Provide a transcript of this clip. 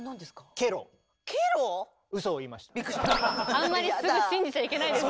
あんまりすぐ信じちゃいけないです。